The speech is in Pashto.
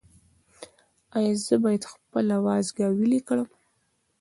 ایا زه باید خپل وازګه ویلې کړم؟